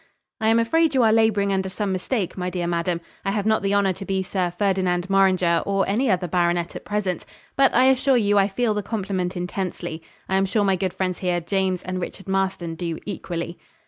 'I am afraid you are labouring under some mistake, my dear madam. I have not the honour to be Sir Ferdinand Morringer or any other baronet at present; but I assure you I feel the compliment intensely. I am sure my good friends here, James and Richard Marston, do equally.'